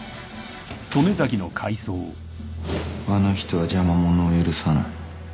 あの人は邪魔者を許さない